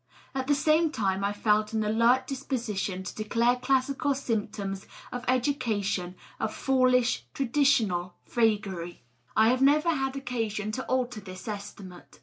At the same time I felt an alert disposition to declare classical systems of education a foolish traditional vagary. I have never had occasion to alter this estimate.